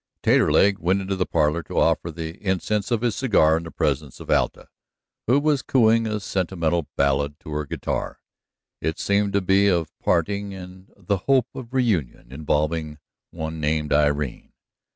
Taterleg went into the parlor to offer the incense of his cigar in the presence of Alta, who was cooing a sentimental ballad to her guitar. It seemed to be of parting, and the hope of reunion, involving one named Irene.